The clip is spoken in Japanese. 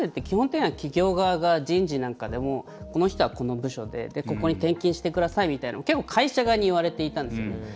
基本的には企業側が人事なんかでもこの人は、この部署でここに転勤してくださいみたいなのを結構、会社側に言われていたんですよね。